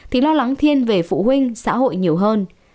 thì lo lắng thiên về phụ huynh xã hội nhiều hơn